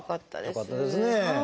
よかったですね。